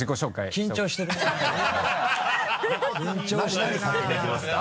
緊張してるなぁ。